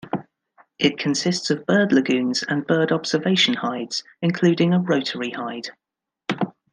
It consists of bird lagoons and bird observation hides, including a rotary hide.